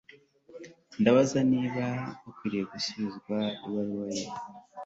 Ndibaza niba nkwiye gusubiza ibaruwa ye